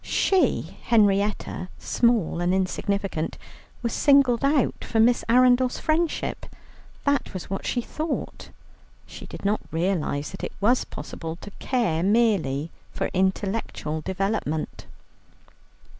She, Henrietta, small and insignificant, was singled out for Miss Arundel's friendship; that was what she thought. She did not realize that it was possible to care merely for intellectual development.